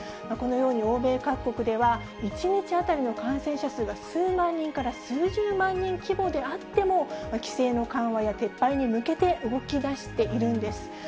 このように欧米各国では、１日当たりの感染者数が数万人から数十万人規模であっても、規制の緩和や撤廃に向けて動きだしているんです。